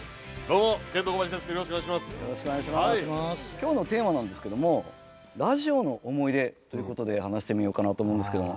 今日のテーマなんですけども「ラジオの思い出」という事で話してみようかなと思うんですけども。